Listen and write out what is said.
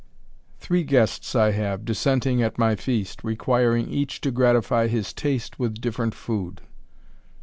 Three gueals I have, dissenting at my feast, Requiring each to gratify his taste With different Tood."